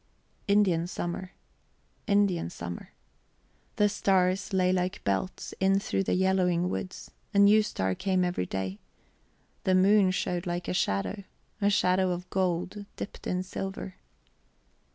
Indian summer Indian summer. The stars lay like belts in through the yellowing woods; a new star came every day. The moon showed like a shadow; a shadow of gold dipped in silver...